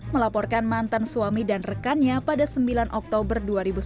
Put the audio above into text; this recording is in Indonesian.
melaporkan mantan suami dan rekannya pada sembilan oktober dua ribu sembilan belas